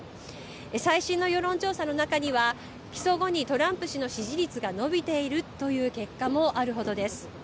最新の世論調査の中には、起訴後にトランプ氏の支持率が伸びているという結果もあるほどです。